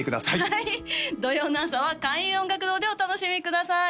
はい土曜の朝は開運音楽堂でお楽しみください